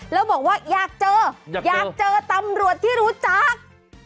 แล้วบอกว่าอยากเจออยากเจอตำรวจที่รู้จัก